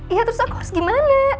iya terus aku harus gimana